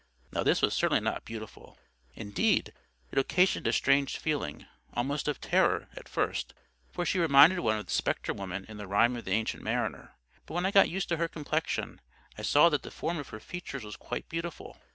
Now this was certainly not beautiful. Indeed, it occasioned a strange feeling, almost of terror, at first, for she reminded one of the spectre woman in the "Rime of the Ancient Mariner." But when I got used to her complexion, I saw that the form of her features was quite beautiful.